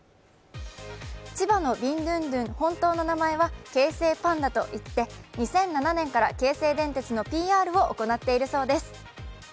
千葉のビンドゥンドゥン、本当の名前は京成パンダといって、２００７年から京成電鉄のＰＲを行っているそうです。